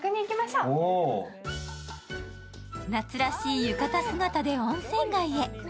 夏らしい浴衣姿で温泉街へ。